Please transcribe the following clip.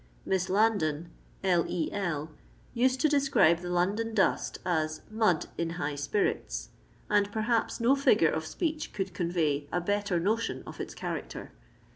Miss Landon (L. E. L.) used to describe the London dust as "mud in high spirits," and perhaps no figure of speech could convey a better notion of its character.